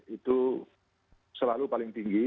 itu selalu paling tinggi